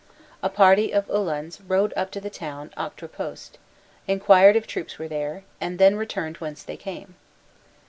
A party of Uhlans rode up to the town octroi post, enquired if troops were there, and then returned whence they came.